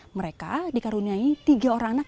mereka dikaruniai tiga orang anak